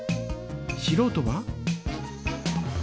しろうとは？